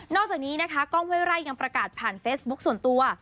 อกจากนี้นะคะกล้องเว้ไร่ยังประกาศผ่านเฟซบุ๊คส่วนตัว